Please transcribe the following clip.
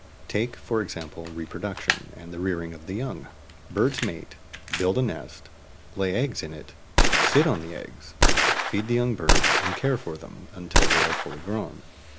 Take, for example, reproduction and the rearing of the young. Birds mate, build a nest, lay eggs in it, sit on the eggs, feed the young birds, and care for them until they are fully grown.